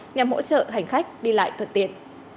nhằm hỗ trợ hành khách đi lại thuận tiện